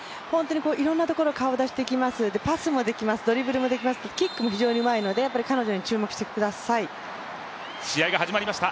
本当にいろんなところに顔出しできます、パスもできます、ドリブルもできますしキックも非常にうまいので試合が始まりました。